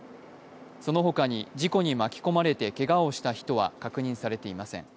そのほかに事故に巻き込まれてけがをした人は確認されていません。